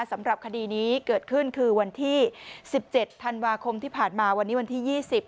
สำหรับคดีนี้เกิดขึ้นคือวันที่๑๗ธันวาคมที่ผ่านมาวันนี้วันที่๒๐